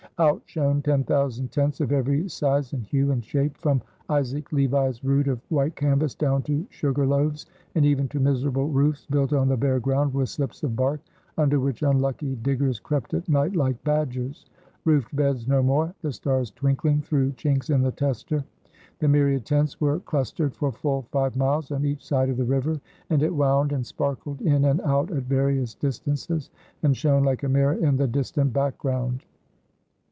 Out shone ten thousand tents of every size and hue and shape, from Isaac Levi's rood of white canvas down to sugar loaves, and even to miserable roofs built on the bare ground with slips of bark, under which unlucky diggers crept at night like badgers roofed beds no more the stars twinkling through chinks in the tester. The myriad tents were clustered for full five miles on each side of the river, and it wound and sparkled in and out at various distances, and shone like a mirror in the distant background.